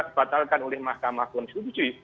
dibatalkan oleh mahkamah konstitusi